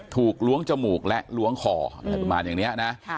ถูกล้วงจมูกและล้วงคออืมประมาณอย่างเนี้ยนะค่ะ